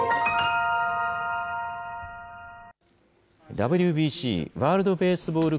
ＷＢＣ・ワールドベースボール